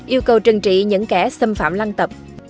yêu cầu trừng trị những kẻ xâm phạm lăng tẩm